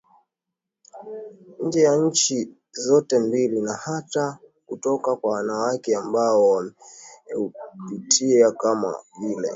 nje ya nchi zote mbili na hata kutoka kwa wanawake ambao wameupitia kama vile